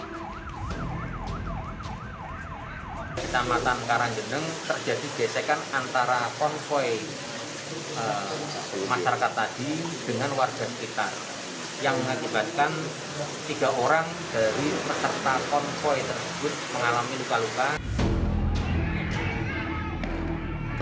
jelajah kejamatan karanggeneng terjadi gesekan antara konvoy masyarakat tadi dengan warga sekitar yang mengakibatkan tiga orang dari peserta konvoy tersebut mengalami luka luka